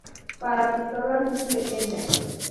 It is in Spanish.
Para pistolas muy pequeñas.